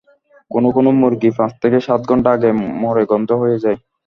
কোনো কোনো মুরগি পাঁচ থেকে সাত ঘণ্টা আগে মরে গন্ধ হয়ে যায়।